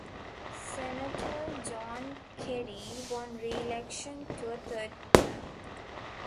Senator John Kerry won re-election to a third term.